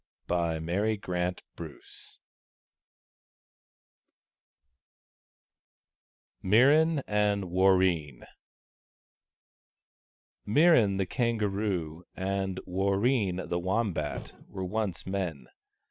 IX MIRRAN AND WARREEN MIRRAN, the Kangaroo, and Warreen, the Wombat, were once men.